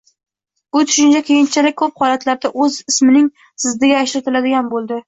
bu tushuncha keyinchalik ko‘p holatlarda o‘z ismining ziddiga ishlatiladigan bo‘ldi.